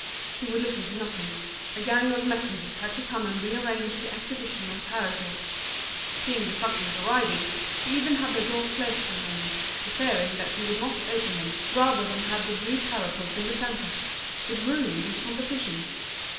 He would listen to nothing; a gang of messengers had to come and re arrange the exhibition of parasols. Seeing the customers arriving, he even had the doors closed for a moment, declaring that he would not open them, rather than have the blue parasols in the centre. It ruined his composition.